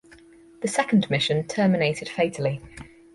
The second mission terminated fatally.